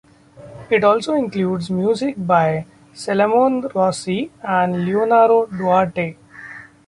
It also includes music by Salamone Rossi and Leonora Duarte.